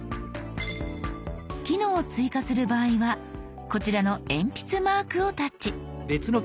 機能を追加する場合はこちらの鉛筆マークをタッチ。